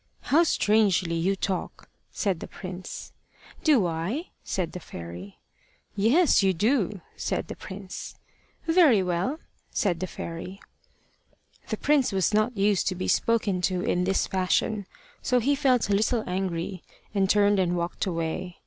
"How strangely you talk!" said the prince. "Do I?" said the fairy. "Yes, you do," said the prince. "Very well," said the fairy. The prince was not used to be spoken to in this fashion, so he felt a little angry, and turned and walked away.